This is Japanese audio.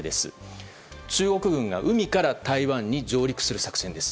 中国軍が海から台湾に上陸する作戦です。